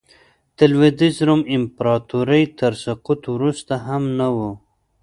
د لوېدیځ روم امپراتورۍ تر سقوط وروسته هم نه و